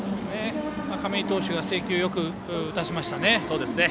亀井投手が制球よく打たせましたね。